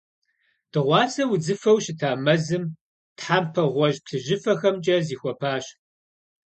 Дыгъуасэ удзыфэу щыта мэзым, тхьэмпэ гъуэжь-плъыжьыфэхэмкӏэ зихуапащ.